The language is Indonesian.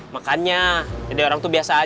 makanya ide orang itu biasa aja